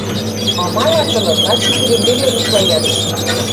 Амалат ылын, лач ик эдем веле рушла ядеш: